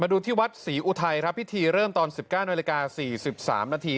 มาดูที่วัดศรีอุทัยพิธีเริ่มตอน๑๙น๔๓น